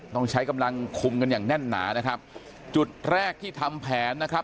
ต้องใช้กำลังคุมกันอย่างแน่นหนานะครับจุดแรกที่ทำแผนนะครับ